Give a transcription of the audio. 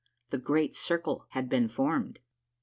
The Great Circle had been formed.